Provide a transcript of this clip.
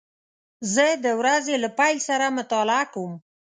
زه د ورځې له پیل سره مطالعه کوم.